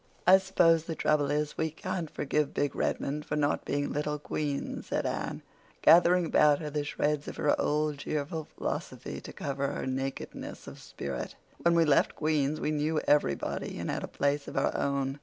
"I suppose the trouble is we can't forgive big Redmond for not being little Queen's," said Anne, gathering about her the shreds of her old cheerful philosophy to cover her nakedness of spirit. "When we left Queen's we knew everybody and had a place of our own.